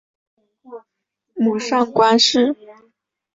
母上官氏。